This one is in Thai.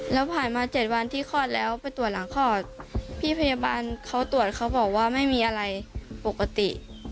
แล้วผ่านมา๗วันที่คลอดแล้วไปตรวจหลังคลอดพี่พยาบาลเขาตรวจเขาบอกว่าไม่มีอะไรปกติ